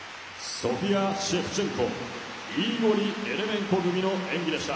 ソフィア・シェフチェンコイーゴリ・エレメンコ組の演技でした。